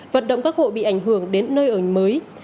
vận động các hộ bị ảnh hưởng đến nơi ở mới